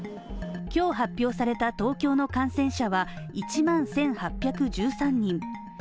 今日発表された東京の感染者は１万１８１３人。